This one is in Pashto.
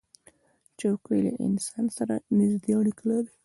چوکۍ له انسان سره نزدې اړیکه لري.